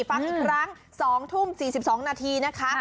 ฟังอีกครั้ง๒ทุ่ม๔๒นาทีนะคะ